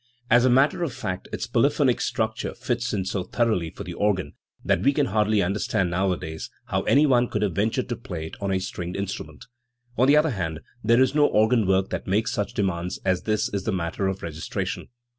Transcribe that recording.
As a matter of fact its polyphonic structure fits it so thoroughly for the organ that we can hardly understand nowadays how anyone could have ventured to play it on a stringed instrument. On the other hand there is no organ work that makes such demands as this in the matter of registration.